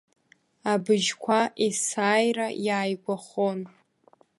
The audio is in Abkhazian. Абыжьқәа есааира иааигәахон.